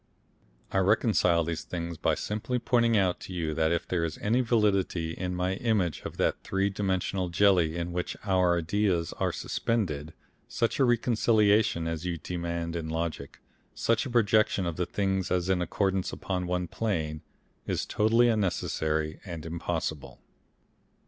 I reconcile these things by simply pointing out to you that if there is any validity in my image of that three dimensional jelly in which our ideas are suspended, such a reconciliation as you demand in logic, such a projection of the things as in accordance upon one plane, is totally unnecessary and impossible.